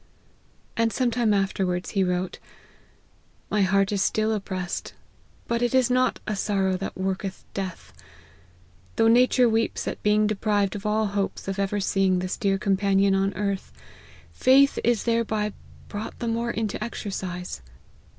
And sometime afterwards he wrote, " My heart is still oppressed, but it is not ' a sorrow that worketh death.' Though nature weeps at being deprived of all hopes of ever seeing this dear com panion on earth, faith is thereby brought the more into exercise.